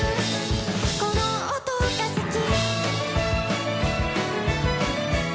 「この音が好き」